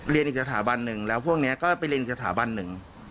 อีกสถาบันหนึ่งแล้วพวกนี้ก็ไปเรียนสถาบันหนึ่ง